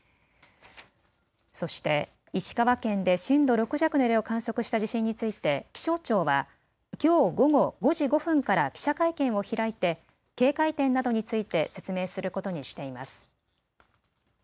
そして石川県で震度６弱の揺れを観測した地震について気象庁はきょう午後５時５分から記者会見を開いて警戒点などについて説明することにしています。